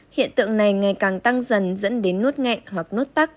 hiện tượng này ngày càng tăng dần dẫn đến nuốt nghẹn hoặc nuốt tắc